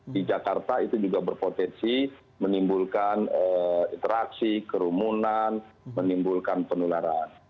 di jakarta itu juga berpotensi menimbulkan interaksi kerumunan menimbulkan penularan